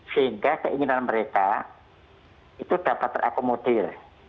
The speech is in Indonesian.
sehingga keinginan mereka itu dapat terakomodir